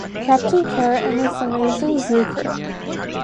Captain Carrot and His Amazing Zoo Crew!